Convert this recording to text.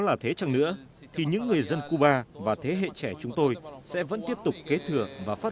là thế chẳng nữa thì những người dân cuba và thế hệ trẻ chúng tôi sẽ vẫn tiếp tục kế thừa và phát